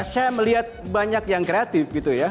saya melihat banyak yang kreatif gitu ya